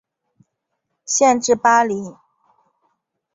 县治巴黎。